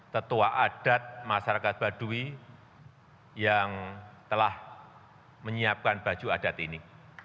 tetua adat masyarakat baduy yang telah menyiapkan baju adat ini